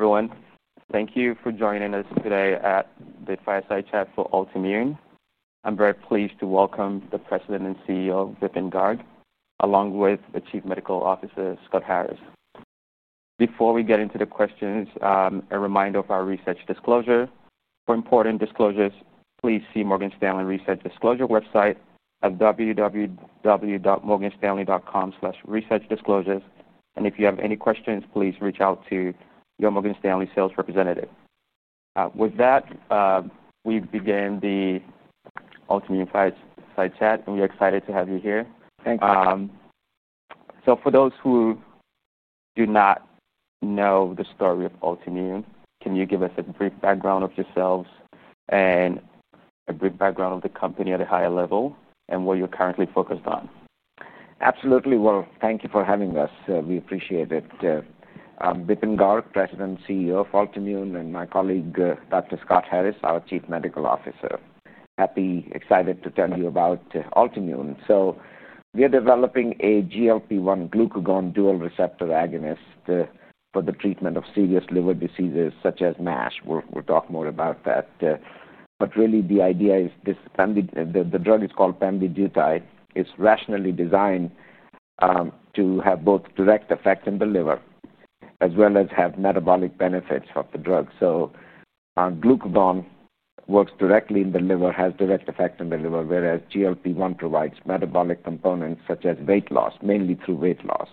Hi, everyone. Thank you for joining us today at the fireside chat for Altimmune. I'm very pleased to welcome the President and CEO, Vipin Garg, along with the Chief Medical Officer, Scott Harris. Before we get into the questions, a reminder of our research disclosure. For important disclosures, please see Morgan Stanley Research Disclosure website at www.morganstanley.com/researchdisclosures. If you have any questions, please reach out to your Morgan Stanley sales representative. With that, we begin the Altimmune fireside chat, and we're excited to have you here. Thank you. For those who do not know the story of Altimmune, can you give us a brief background of yourselves and a brief background of the company at a higher level and what you're currently focused on? Absolutely. Thank you for having us. We appreciate it. Vipin Garg, President and CEO of Altimmune, and my colleague, Dr. Scott Harris, our Chief Medical Officer. Happy, excited to tell you about Altimmune. We are developing a GLP-1/glucagon dual receptor agonist for the treatment of serious liver diseases such as NASH. We'll talk more about that. The idea is the drug is called pemvidutide. It's rationally designed to have both direct effects in the liver as well as have metabolic benefits of the drug. Our glucagon works directly in the liver, has direct effects in the liver, whereas GLP-1 provides metabolic components such as weight loss, mainly through weight loss.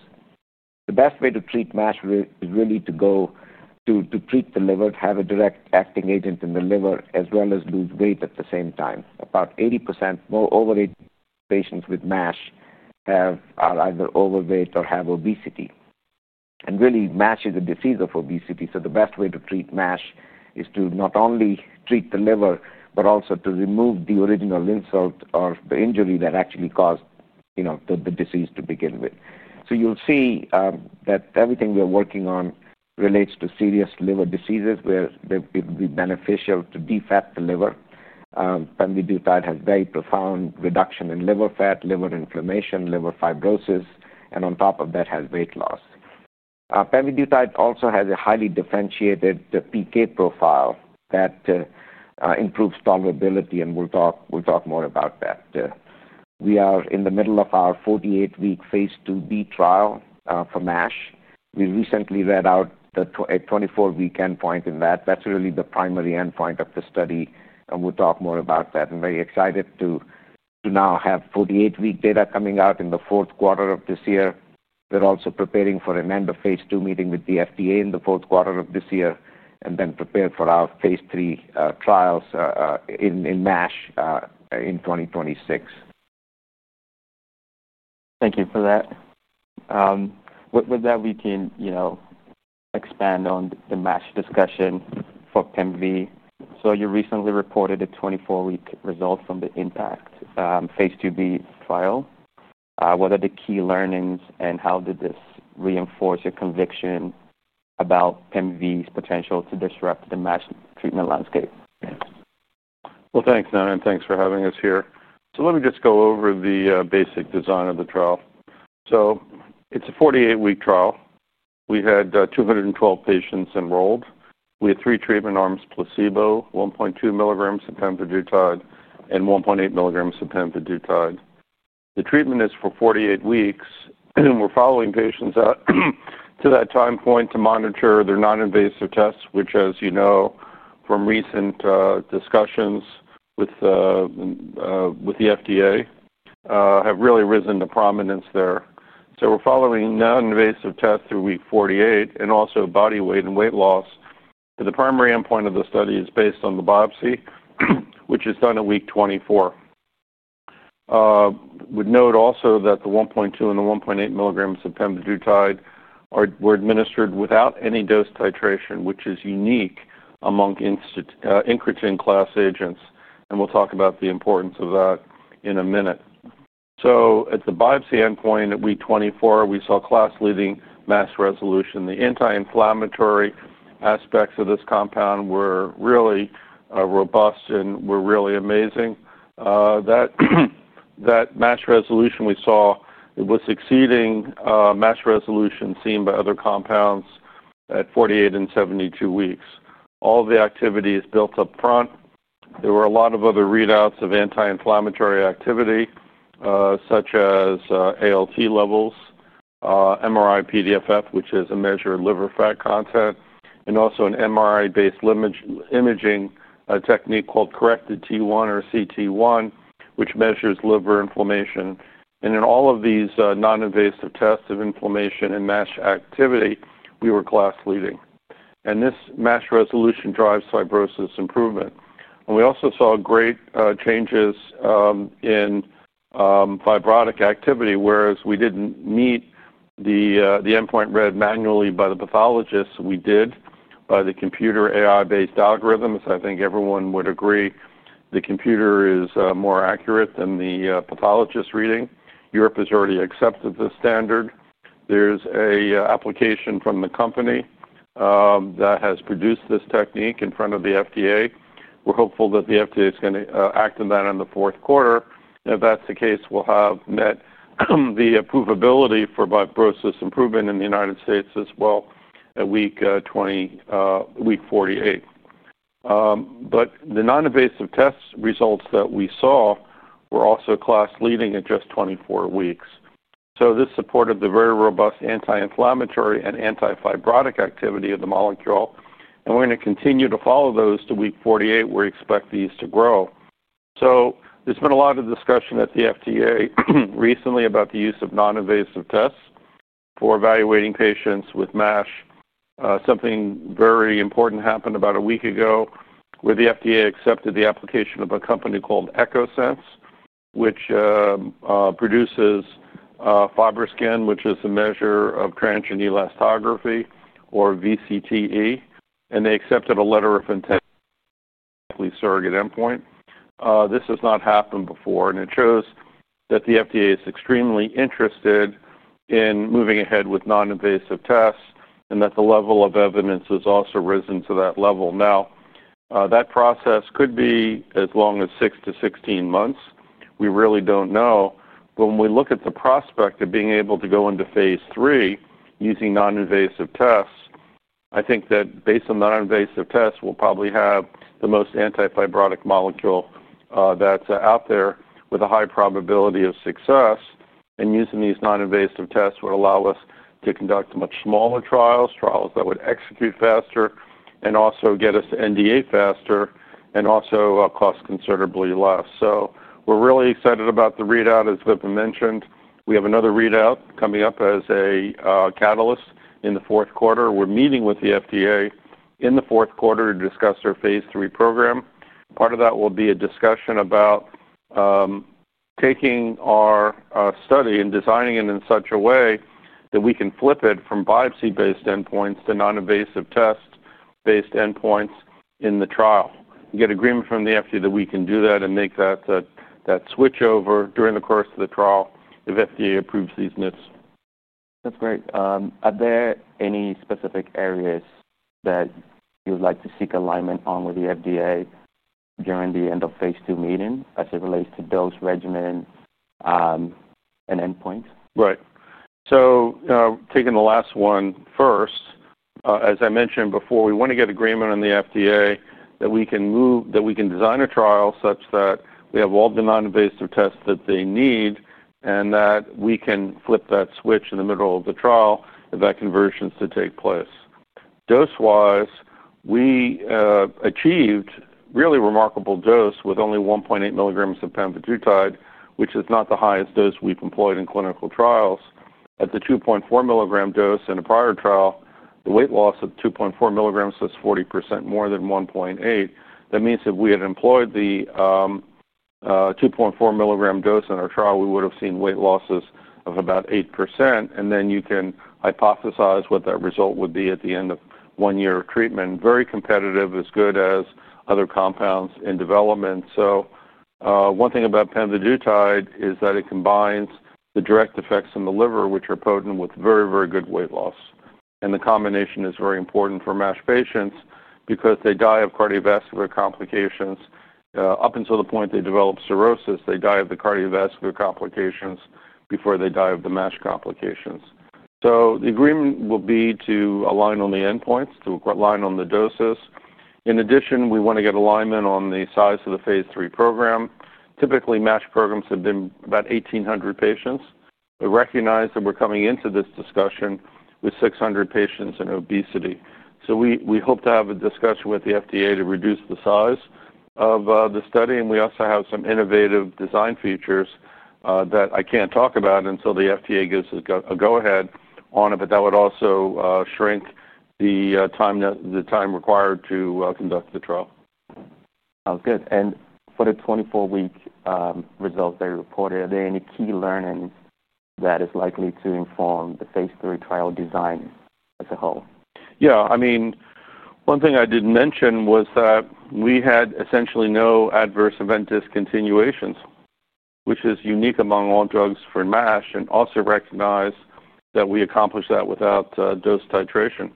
The best way to treat NASH is really to go to treat the liver, have a direct acting agent in the liver, as well as lose weight at the same time. About 80% of patients with NASH are either overweight or have obesity. NASH is a disease of obesity. The best way to treat NASH is to not only treat the liver, but also to remove the original insult or the injury that actually caused the disease to begin with. You'll see that everything we're working on relates to serious liver diseases where it would be beneficial to defat the liver. Pemvidutide has very profound reduction in liver fat, liver inflammation, liver fibrosis, and on top of that, has weight loss. Pemvidutide also has a highly differentiated PK profile that improves tolerability, and we'll talk more about that. We are in the middle of our 48-week phase 2b trial for NASH. We recently read out a 24-week endpoint in that. That's really the primary endpoint of the study, and we'll talk more about that. I'm very excited to now have 48-week data coming out in the fourth quarter of this year. We're also preparing for an end-of-phase 2 FDA meeting in the fourth quarter of this year, and then prepare for our phase 3 trials in NASH in 2026. Thank you for that. With that, we can expand on the NASH discussion for pemvidutide. You recently reported a 24-week result from the IMPACT phase 2b trial. What are the key learnings, and how did this reinforce your conviction about pemvidutide's potential to disrupt the NASH treatment landscape? Thank you, Nana, and thank you for having us here. Let me just go over the basic design of the trial. It is a 48-week trial. We had 212 patients enrolled. We had three treatment arms: placebo, 1.2 milligrams of pemvidutide, and 1.8 milligrams of pemvidutide. The treatment is for 48 weeks, and we are following patients up to that time point to monitor their non-invasive tests, which, as you know from recent discussions with the FDA, have really risen to prominence there. We are following non-invasive tests through week 48 and also body weight and weight loss. The primary endpoint of the study is based on the biopsy, which is done at week 24. We would note also that the 1.2 and the 1.8 milligrams of pemvidutide were administered without any dose titration, which is unique among incretin class agents, and we will talk about the importance of that in a minute. At the biopsy endpoint at week 24, we saw class-leading NASH resolution. The anti-inflammatory aspects of this compound were really robust and were really amazing. That NASH resolution we saw was exceeding NASH resolution seen by other compounds at 48 and 72 weeks. All of the activity is built up front. There were a lot of other readouts of anti-inflammatory activity, such as ALT levels, MRI-PDFF, which is a measure of liver fat content, and also an MRI-based imaging technique called corrected T1 or cT1, which measures liver inflammation. In all of these non-invasive tests of inflammation and NASH activity, we were class-leading. This NASH resolution drives fibrosis improvement. We also saw great changes in fibrotic activity, whereas we did not meet the endpoint read manually by the pathologists. We did by the computer AI-based algorithms. I think everyone would agree the computer is more accurate than the pathologist reading. Europe has already accepted the standard. There is an application from the company that has produced this technique in front of the FDA. We are hopeful that the FDA is going to act on that in the fourth quarter. If that is the case, we will have met the approvability for fibrosis improvement in the United States as well at week 48. The non-invasive test results that we saw were also class-leading at just 24 weeks. This supported the very robust anti-inflammatory and anti-fibrotic activity of the molecule. We are going to continue to follow those to week 48. We expect these to grow. There's been a lot of discussion at the FDA recently about the use of non-invasive tests for evaluating patients with NASH. Something very important happened about a week ago where the FDA accepted the application of a company called EchoSense, which produces FibroScan, which is a measure of transient elastography or VCTE. They accepted a letter of intent to use a surrogate endpoint. This has not happened before, and it shows that the FDA is extremely interested in moving ahead with non-invasive tests and that the level of evidence has also risen to that level now. That process could be as long as 6 to 16 months. We really don't know. When we look at the prospect of being able to go into phase 3 using non-invasive tests, I think that based on non-invasive tests, we'll probably have the most anti-fibrotic molecule that's out there with a high probability of success. Using these non-invasive tests would allow us to conduct much smaller trials, trials that would execute faster, and also get us to NDA faster, and also cost considerably less. We're really excited about the readout, as Vipin mentioned. We have another readout coming up as a catalyst in the fourth quarter. We're meeting with the FDA in the fourth quarter to discuss their phase 3 program. Part of that will be a discussion about taking our study and designing it in such a way that we can flip it from biopsy-based endpoints to non-invasive test-based endpoints in the trial. We get agreement from the FDA that we can do that and make that switch over during the course of the trial if FDA approves these NITs. That's great. Are there any specific areas that you would like to seek alignment on with the FDA during the end-of-phase 2 meeting as it relates to dose regimen and endpoints? Right. Taking the last one first, as I mentioned before, we want to get agreement with the FDA that we can move, that we can design a trial such that we have all the non-invasive tests that they need and that we can flip that switch in the middle of the trial if that conversion is to take place. Dose-wise, we achieved really remarkable dose with only 1.8 milligrams of pemvidutide, which is not the highest dose we've employed in clinical trials. At the 2.4 milligram dose in a prior trial, the weight loss of 2.4 milligrams is 40% more than 1.8. That means if we had employed the 2.4 milligram dose in our trial, we would have seen weight losses of about 8%. You can hypothesize what that result would be at the end of one year of treatment. Very competitive, as good as other compounds in development. One thing about pemvidutide is that it combines the direct effects in the liver, which are potent, with very, very good weight loss. The combination is very important for NASH patients because they die of cardiovascular complications. Up until the point they develop cirrhosis, they die of the cardiovascular complications before they die of the NASH complications. The agreement will be to align on the endpoints, to align on the doses. In addition, we want to get alignment on the size of the phase 3 program. Typically, NASH programs have been about 1,800 patients. We recognize that we're coming into this discussion with 600 patients in obesity. We hope to have a discussion with the FDA to reduce the size of the study. We also have some innovative design features that I can't talk about until the FDA gives us a go-ahead on it, but that would also shrink the time required to conduct the trial. Sounds good. For the 24-week results that you reported, are there any key learnings that are likely to inform the phase 3 trial design as a whole? Yeah. One thing I didn't mention was that we had essentially no adverse event discontinuations, which is unique among all drugs for NASH, and also recognize that we accomplish that without dose titration.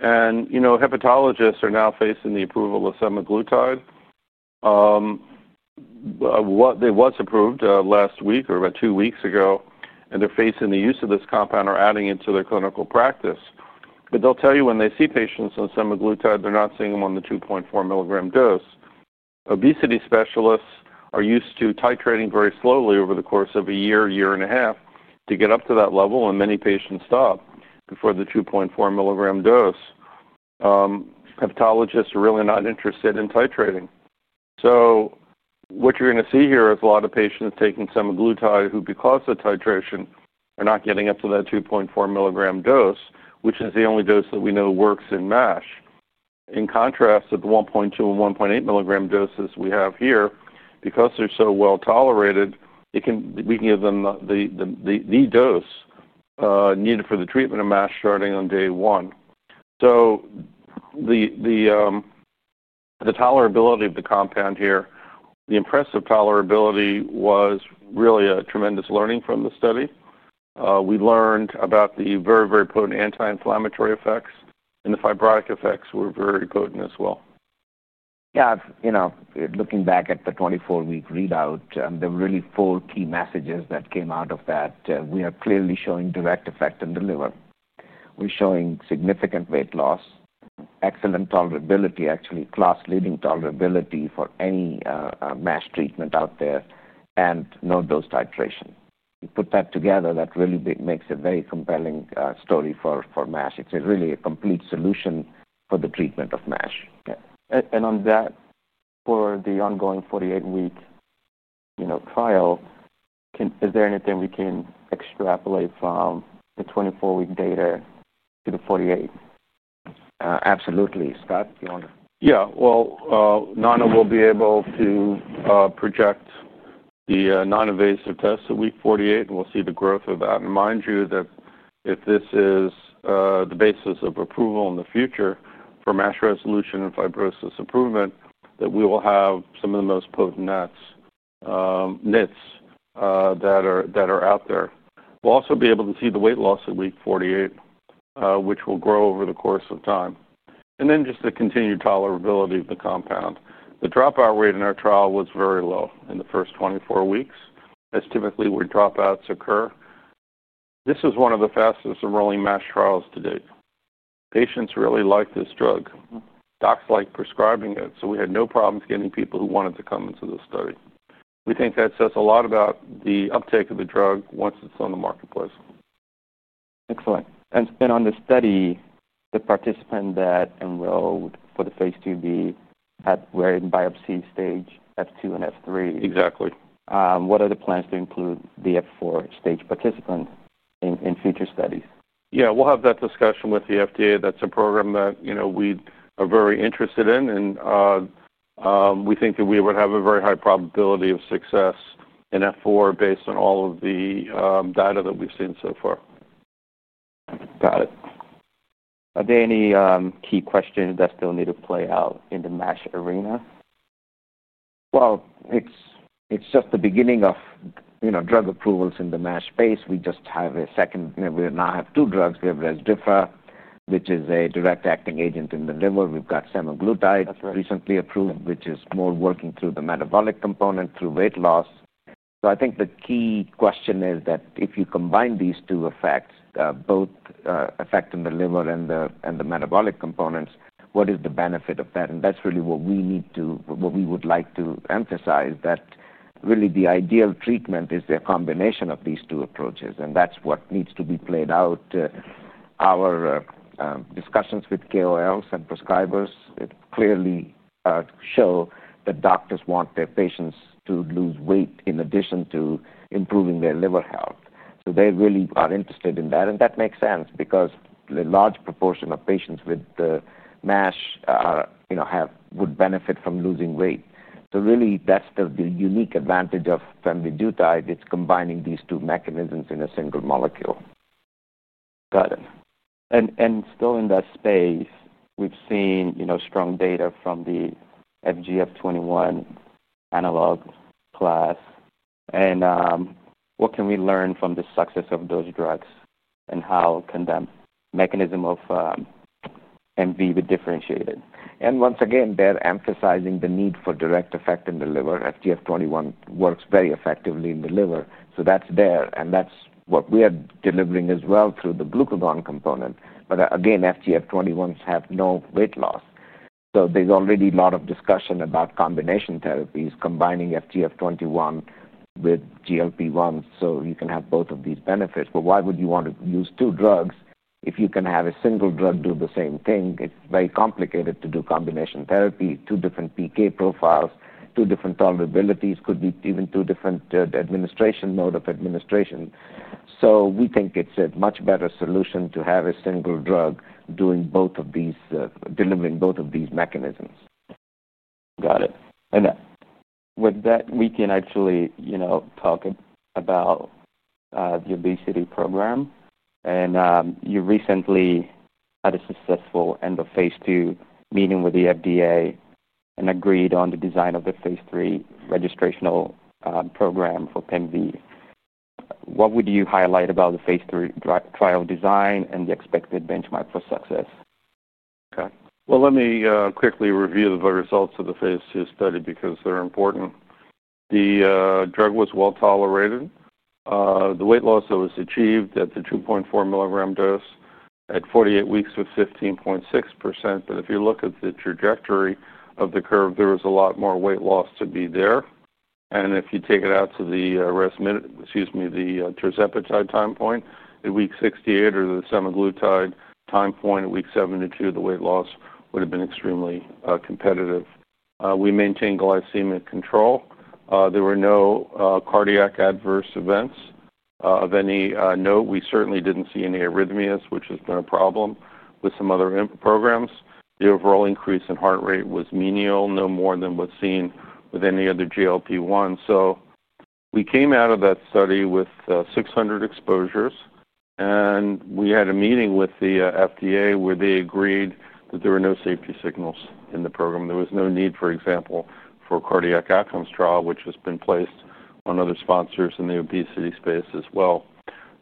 Hepatologists are now facing the approval of semaglutide. It was approved last week or about two weeks ago, and they're facing the use of this compound or adding it to their clinical practice. They'll tell you when they see patients on semaglutide, they're not seeing them on the 2.4 mg dose. Obesity specialists are used to titrating very slowly over the course of a year, year and a half to get up to that level, and many patients stop before the 2.4 mg dose. Hepatologists are really not interested in titrating. What you're going to see here is a lot of patients taking semaglutide who, because of titration, are not getting up to that 2.4 mg dose, which is the only dose that we know works in NASH. In contrast, at the 1.2 and 1.8 mg doses we have here, because they're so well tolerated, we can give them the dose needed for the treatment of NASH starting on day one. The tolerability of the compound here, the impressive tolerability, was really a tremendous learning from the study. We learned about the very, very potent anti-inflammatory effects, and the fibrotic effects were very potent as well. Yeah. You know, looking back at the 24-week readout, there were really four key messages that came out of that. We are clearly showing direct effect on the liver. We're showing significant weight loss, excellent tolerability, actually class-leading tolerability for any NASH treatment out there, and no dose titration. You put that together, that really makes a very compelling story for NASH. It's really a complete solution for the treatment of NASH. For the ongoing 48-week trial, is there anything we can extrapolate from the 24-week data to the 48? Absolutely. Scott, do you want to? Nana will be able to project the non-invasive tests at week 48, and we'll see the growth of that. Remind you that if this is the basis of approval in the future for NASH resolution and fibrosis improvement, we will have some of the most potent NITs that are out there. We'll also be able to see the weight loss at week 48, which will grow over the course of time. Then just the continued tolerability of the compound. The dropout rate in our trial was very low in the first 24 weeks, which is typically where dropouts occur. This is one of the fastest enrolling NASH trials to date. Patients really like this drug. Docs like prescribing it. We had no problems getting people who wanted to come into the study. We think that says a lot about the uptake of the drug once it's on the marketplace. Excellent. On the study, the participant that enrolled for the phase 2b had were in biopsy stage F2 and F3. Exactly. What are the plans to include the F4 stage participant in future studies? We will have that discussion with the FDA. That is a program that we are very interested in, and we think that we would have a very high probability of success in F4 based on all of the data that we've seen so far. Got it. Are there any key questions that still need to play out in the NASH arena? It's just the beginning of drug approvals in the NASH space. We just have a second. We now have two drugs. We have Resdiffa, which is a direct acting agent in the liver. We've got semaglutide recently approved, which is more working through the metabolic component through weight loss. I think the key question is that if you combine these two effects, both effect in the liver and the metabolic components, what is the benefit of that? That's really what we need to, what we would like to emphasize, that really the ideal treatment is a combination of these two approaches. That's what needs to be played out. Our discussions with KOLs and prescribers clearly show that doctors want their patients to lose weight in addition to improving their liver health. They really are interested in that. That makes sense because the large proportion of patients with NASH would benefit from losing weight. Really, that's the unique advantage of pemvidutide. It's combining these two mechanisms in a single molecule. Got it. Still in that space, we've seen strong data from the FGF21 analog class. What can we learn from the success of those drugs, and how can the mechanism of MV be differentiated? Once again, they're emphasizing the need for direct effect in the liver. FGF21 works very effectively in the liver. That's there, and that's what we are delivering as well through the glucagon component. FGF21s have no weight loss. There's already a lot of discussion about combination therapies, combining FGF21 with GLP-1 so you can have both of these benefits. Why would you want to use two drugs if you can have a single drug do the same thing? It's very complicated to do combination therapy. Two different PK profiles, two different tolerabilities, could be even two different modes of administration. We think it's a much better solution to have a single drug doing both of these, delivering both of these mechanisms. Got it. With that, we can actually talk about the obesity program. You recently had a successful end-of-phase 2 FDA meeting and agreed on the design of the phase 3 registrational program for pemvidutide. What would you highlight about the phase 3 trial design and the expected benchmark for success? Okay. Let me quickly review the results of the phase 2 study because they're important. The drug was well tolerated. The weight loss that was achieved at the 2.4 milligram dose at 48 weeks was 15.6%. If you look at the trajectory of the curve, there was a lot more weight loss to be there. If you take it out to the tirzepatide time point at week 68 or the semaglutide time point at week 72, the weight loss would have been extremely competitive. We maintained glycemic control. There were no cardiac adverse events of any note. We certainly didn't see any arrhythmias, which has been a problem with some other programs. The overall increase in heart rate was minimal, no more than was seen with any other GLP-1. We came out of that study with 600 exposures. We had a meeting with the FDA where they agreed that there were no safety signals in the program. There was no need, for example, for a cardiac outcomes trial, which has been placed on other sponsors in the obesity space as well.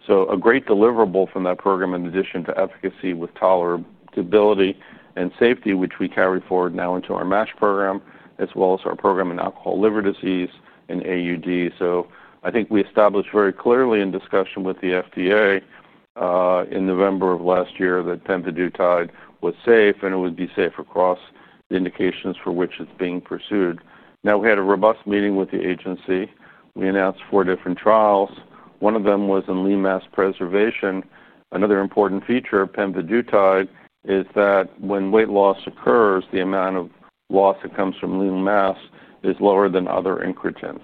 A great deliverable from that program, in addition to efficacy with tolerability and safety, which we carry forward now into our NASH program, as well as our program in alcoholic liver disease and AUD. I think we established very clearly in discussion with the FDA in November of last year that pemvidutide was safe, and it would be safe across the indications for which it's being pursued. We had a robust meeting with the agency. We announced four different trials. One of them was in lean mass preservation. Another important feature of pemvidutide is that when weight loss occurs, the amount of loss that comes from lean mass is lower than other incretins.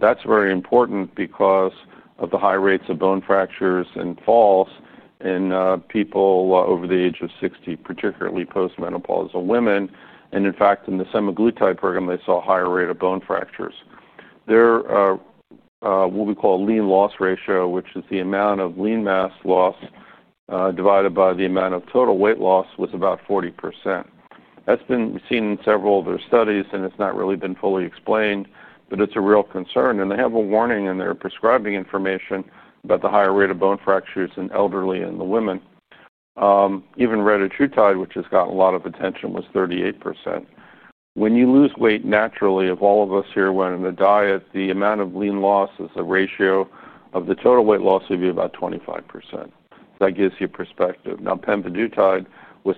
That's very important because of the high rates of bone fractures and falls in people over the age of 60, particularly postmenopausal women. In fact, in the semaglutide program, they saw a higher rate of bone fractures. Their what we call lean loss ratio, which is the amount of lean mass loss divided by the amount of total weight loss, was about 40%. That's been seen in several of their studies, and it's not really been fully explained, but it's a real concern. They have a warning in their prescribing information about the higher rate of bone fractures in elderly and women. Even retatrutide, which has gotten a lot of attention, was 38%. When you lose weight naturally, if all of us here went into diet, the amount of lean loss as a ratio of the total weight loss would be about 25%. That gives you perspective. Now, pemvidutide was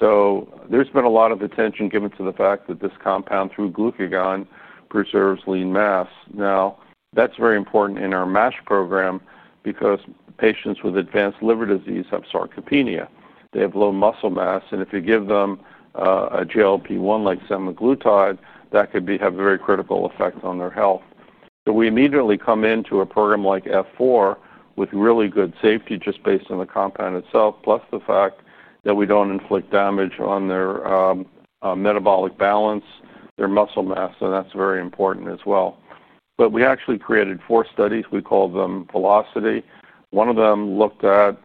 21.9%. There's been a lot of attention given to the fact that this compound through glucagon preserves lean mass. That's very important in our NASH program because patients with advanced liver disease have sarcopenia. They have low muscle mass. If you give them a GLP-1 like semaglutide, that could have a very critical effect on their health. We immediately come into a program like F4 with really good safety just based on the compound itself, plus the fact that we don't inflict damage on their metabolic balance, their muscle mass. That's very important as well. We actually created four studies. We call them VELOCITY. One of them looked at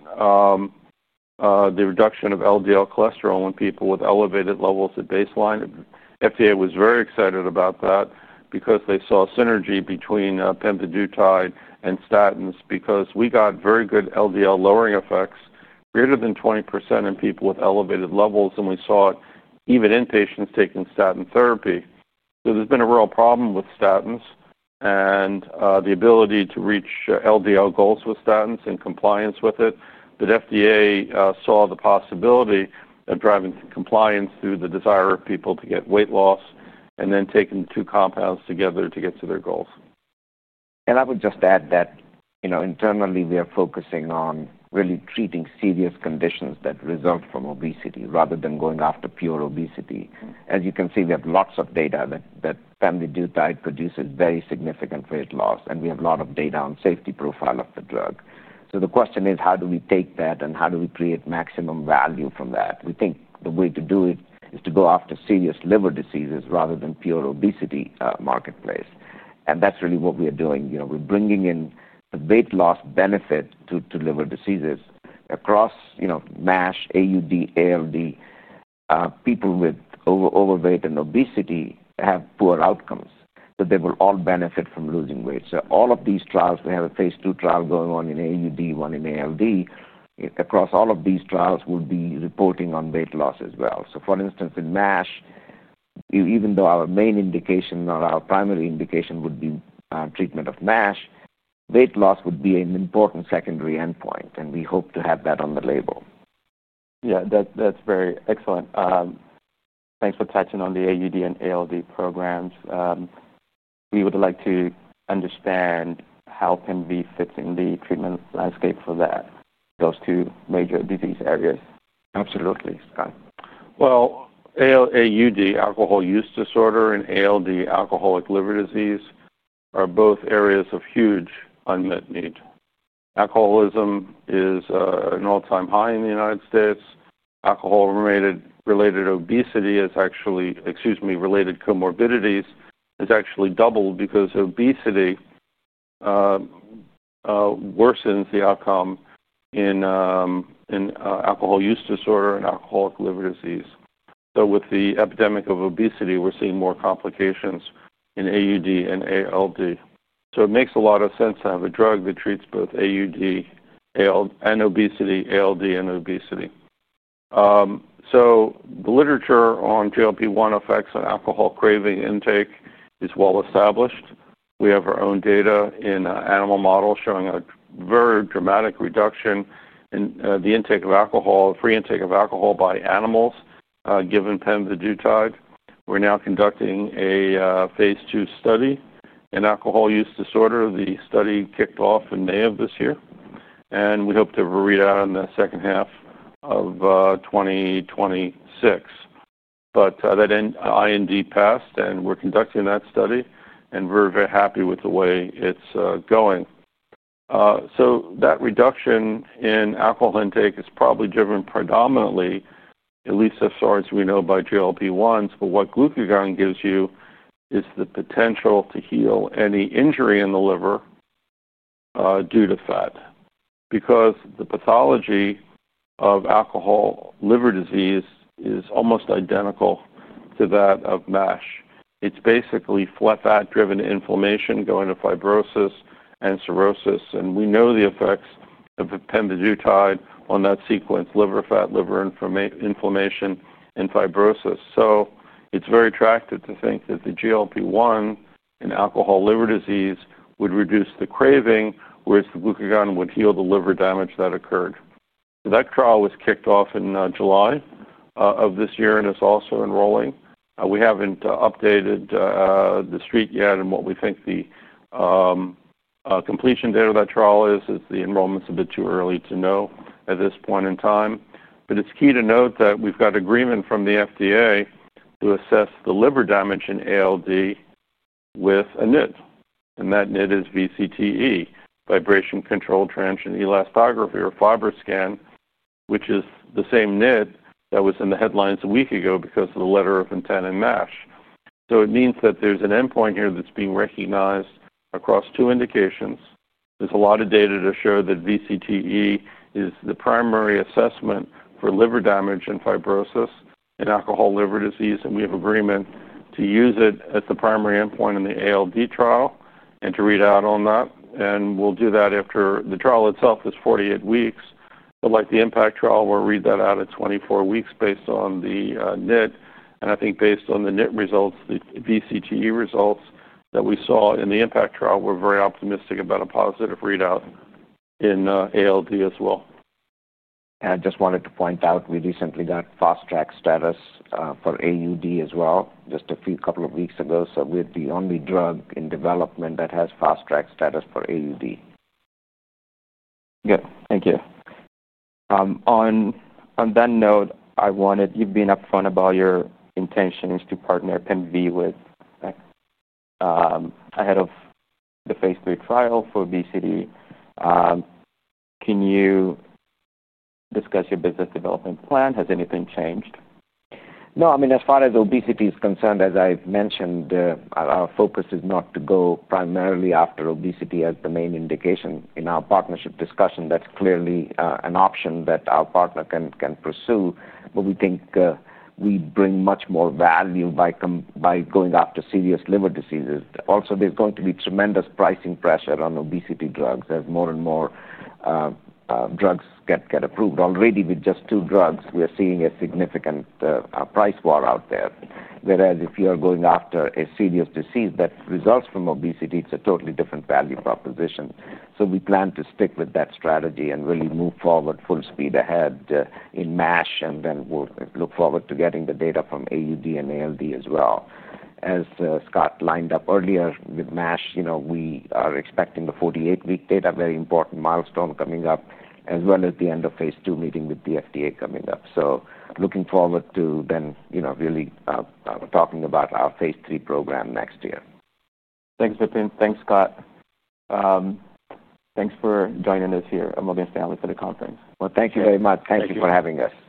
the reduction of LDL cholesterol in people with elevated levels at baseline. FDA was very excited about that because they saw synergy between pemvidutide and statins because we got very good LDL lowering effects, greater than 20% in people with elevated levels. We saw it even in patients taking statin therapy. There's been a real problem with statins and the ability to reach LDL goals with statins and compliance with it. FDA saw the possibility of driving compliance through the desire of people to get weight loss and then taking the two compounds together to get to their goals. I would just add that, you know, internally, we are focusing on really treating serious conditions that result from obesity rather than going after pure obesity. As you can see, we have lots of data that pemvidutide produces very significant weight loss, and we have a lot of data on the safety profile of the drug. The question is, how do we take that and how do we create maximum value from that? We think the way to do it is to go after serious liver diseases rather than pure obesity marketplace. That's really what we are doing. We're bringing in the weight loss benefit to liver diseases across, you know, NASH, AUD, ALD. People with overweight and obesity have poor outcomes, but they will all benefit from losing weight. All of these trials, we have a phase 2 trial going on in AUD, one in ALD. Across all of these trials, we'll be reporting on weight loss as well. For instance, in NASH, even though our main indication or our primary indication would be treatment of NASH, weight loss would be an important secondary endpoint, and we hope to have that on the label. Yeah, that's very excellent. Thanks for touching on the AUD and ALD programs. We would like to understand how pemvidutide fits in the treatment landscape for those two major disease areas. Absolutely, Scott. ALD, alcohol use disorder, and ALD, alcoholic liver disease, are both areas of huge unmet need. Alcoholism is at an all-time high in the United States. Alcohol-related comorbidities is actually doubled because obesity worsens the outcome in alcohol use disorder and alcoholic liver disease. With the epidemic of obesity, we're seeing more complications in AUD and ALD. It makes a lot of sense to have a drug that treats both AUD and obesity, ALD and obesity. The literature on GLP-1 effects on alcohol craving intake is well established. We have our own data in animal models showing a very dramatic reduction in the intake of alcohol, free intake of alcohol by animals given pemvidutide. We're now conducting a phase 2 study in alcohol use disorder. The study kicked off in May of this year, and we hope to read out in the second half of 2026. That IND passed, and we're conducting that study, and we're very happy with the way it's going. That reduction in alcohol intake is probably driven predominantly, at least as far as we know, by GLP-1s. What glucagon gives you is the potential to heal any injury in the liver due to fat because the pathology of alcoholic liver disease is almost identical to that of NASH. It's basically fat-driven inflammation going to fibrosis and cirrhosis. We know the effects of pemvidutide on that sequence: liver fat, liver inflammation, and fibrosis. It's very attractive to think that the GLP-1 in alcoholic liver disease would reduce the craving, whereas the glucagon would heal the liver damage that occurred. That trial was kicked off in July of this year and is also enrolling. We haven't updated the street yet on what we think the completion date of that trial is. The enrollment is a bit too early to know at this point in time. It's key to note that we've got agreement from the FDA to assess the liver damage in ALD with a NIT. That NIT is VCTE, vibration-controlled transient elastography, or FibroScan, which is the same NIT that was in the headlines a week ago because of the letter of intent in NASH. It means that there's an endpoint here that's being recognized across two indications. There's a lot of data to show that VCTE is the primary assessment for liver damage and fibrosis in alcoholic liver disease. We have agreement to use it as the primary endpoint in the ALD trial and to read out on that. We'll do that after the trial itself is 48 weeks. Like the IMPACT trial, we'll read that out at 24 weeks based on the NIT. I think based on the NIT results, the VCTE results that we saw in the IMPACT trial, we're very optimistic about a positive readout in ALD as well. I just wanted to point out we recently got fast track status for AUD as well, just a few weeks ago. We're the only drug in development that has fast track status for AUD. Thank you. On that note, I wanted, you've been upfront about your intentions to partner pemvidutide ahead of the phase 3 trial for obesity. Can you discuss your business development plan? Has anything changed? No. I mean, as far as obesity is concerned, as I've mentioned, our focus is not to go primarily after obesity as the main indication. In our partnership discussion, that's clearly an option that our partner can pursue. We think we bring much more value by going after serious liver diseases. Also, there's going to be tremendous pricing pressure on obesity drugs as more and more drugs get approved. Already with just two drugs, we are seeing a significant price war out there. Whereas if you are going after a serious disease that results from obesity, it's a totally different value proposition. We plan to stick with that strategy and really move forward full speed ahead in NASH. We'll look forward to getting the data from AUD and ALD as well. As Scott lined up earlier with NASH, you know we are expecting the 48-week data, a very important milestone coming up, as well as the end-of-phase 2 meeting with the FDA coming up. Looking forward to then really talking about our phase 3 program next year. Thanks, Vipin. Thanks, Scott. Thanks for joining us here at Morgan Stanley for the conference. Thank you very much. Thank you for having us.